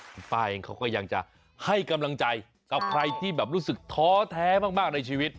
คุณป้าเองเขาก็ยังจะให้กำลังใจกับใครที่แบบรู้สึกท้อแท้มากในชีวิต